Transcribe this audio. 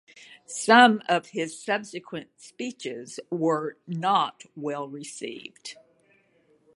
Some of his subsequent speeches were not well received.